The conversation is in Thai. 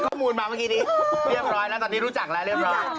แค่ข้อมูลมาเมื่อกี้เริ่มร้อยแล้วตอนนี้รู้จักแล้ว